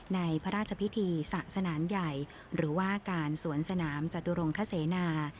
ในพระราชพิธีศาสนาใหญ่หรือว่าการสวนสนามจตุรงคเสนา